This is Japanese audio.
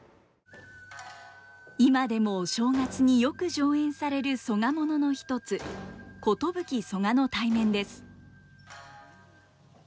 今でもお正月によく上演される曽我ものの一つ「寿曽我対面」です。